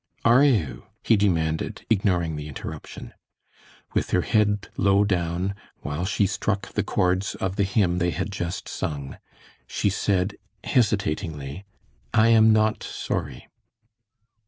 "Are you?" he demanded, ignoring the interruption. With her head low down, while she struck the chords of the hymn they had just sung, she said, hesitatingly, "I am not sorry."